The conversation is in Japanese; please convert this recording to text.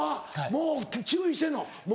もう注意してんの？